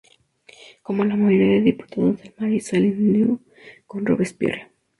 Como la mayoría de diputados del "Marais", se alineó con Robespierre.